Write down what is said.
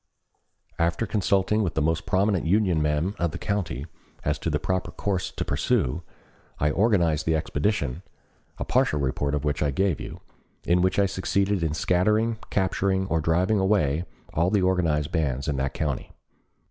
After consulting with the most prominent Union men of the county as to the proper course to pursue, I organized the expedition, a partial report of which I gave you, in which I succeeded in scattering, capturing, or driving away all the organized bands in that county.